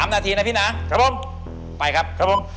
๓นาทีนะพี่หนาไปครับครับผม